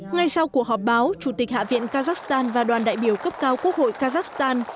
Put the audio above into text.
ngay sau cuộc họp báo chủ tịch hạ viện kazakhstan và đoàn đại biểu cấp cao quốc hội kazakhstan